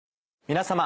皆様。